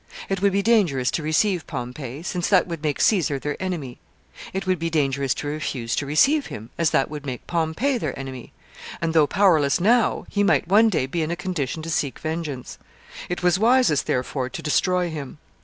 It would be dangerous to receive Pompey, since that would make Caesar their enemy. It would be dangerous to refuse to receive him, as that would make Pompey their enemy, and, though powerless now, he might one day be in a condition to seek vengeance. It was wisest, therefore, to destroy him.